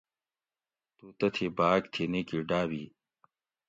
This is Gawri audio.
تو تتھی باۤگ تھی نِیکی ڈابی